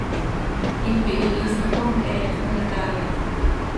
Hipi hihiisax com he iihax me caai ha.